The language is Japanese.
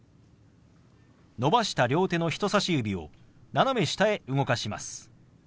伸ばした両手の人さし指を斜め下へ動かします。